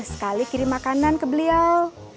sekali kirim makanan ke beliau